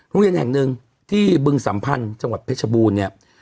โรงเรียนแห่งหนึ่งที่บึงสัมพันธ์จังหวัดเพชรบูรณ์เนี่ย